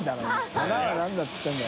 花は何だ？」って言ってるんだよ。